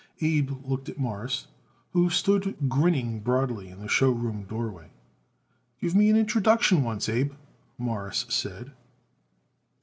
Abe looked at Morris, who stood grinning broadly in the show room doorway. "Give me an introduction once, Abe," Morris said.